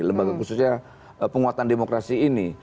lembaga khususnya penguatan demokrasi ini